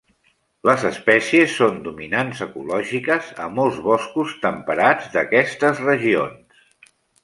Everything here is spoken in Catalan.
Les espècies són dominants ecològiques a molts boscos temperats d'aquestes regions.